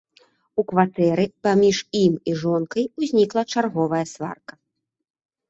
У кватэры паміж ім і жонкай узнікла чарговая сварка.